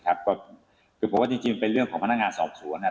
ก็คือผมว่าจริงเป็นเรื่องของพนักงานสอบสวน